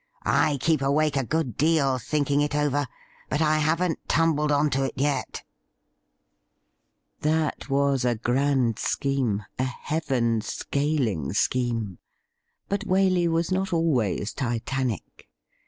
I keep awake a good deal thinking it over, but I haven't tumbled on to it yet.' A LETTER AND A MEETING 173 That was a grand scheme, a heaven scaling scheme. But Waley was not always Titanic.